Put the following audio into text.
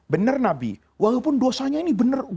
bener nabi walaupun dosanya ini bener